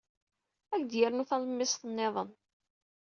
Ad ak-d-yernu talemmiẓt niḍen.